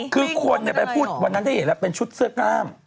คือควรพูดวันนั้นได้เห็นประมาณแบบเป็นชุดเสื้อกล้าม